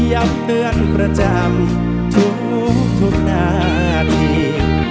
ย้ำเตือนประจำทุกนาที